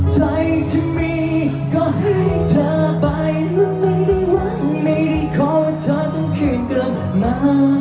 ใจที่มีก็ให้เธอไปและไม่ได้หวังไม่ได้ขอว่าเธอต้องคืนกลับมา